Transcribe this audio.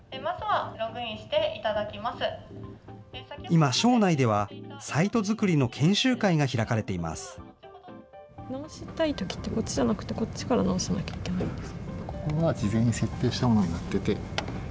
今、省内では、サイト作りの研修会が開かれています。